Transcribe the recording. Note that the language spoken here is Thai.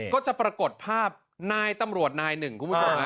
ก็จะปรากฏภาพนายตำรวจนายหนึ่ง